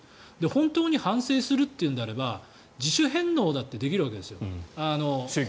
本当に反省するというのであれば自主返納だってできるわけですよ。